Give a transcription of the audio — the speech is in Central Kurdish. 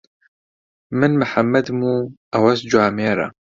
من محەممەدم و ئەوەش جوامێرە.